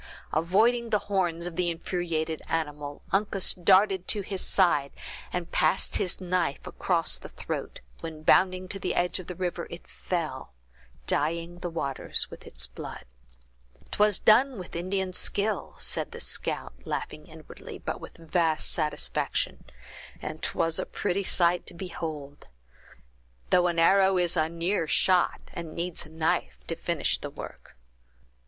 Avoiding the horns of the infuriated animal, Uncas darted to his side, and passed his knife across the throat, when bounding to the edge of the river it fell, dyeing the waters with its blood. "'Twas done with Indian skill," said the scout laughing inwardly, but with vast satisfaction; "and 'twas a pretty sight to behold! Though an arrow is a near shot, and needs a knife to finish the work."